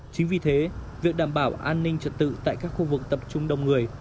chính vì thế việc đảm bảo an ninh trật tự tại các khu vực tập trung đông người